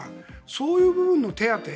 そういう部分の手当て